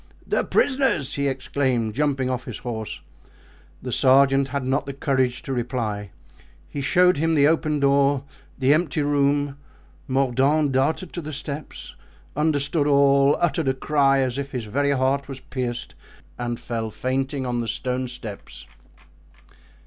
"The prisoners!" he exclaimed, jumping off his horse. The sergeant had not the courage to reply; he showed him the open door, the empty room. Mordaunt darted to the steps, understood all, uttered a cry, as if his very heart was pierced, and fell fainting on the stone steps.